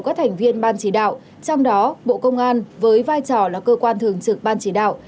các thành viên ban chỉ đạo trong đó bộ công an với vai trò là cơ quan thường trực ban chỉ đạo